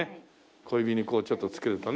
小指にこうちょっと着けるとね。